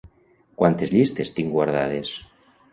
Quantes llistes tinc guardades?